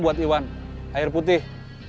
ayat iwan air putih